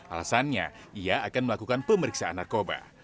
alasannya ia akan melakukan pemeriksaan narkoba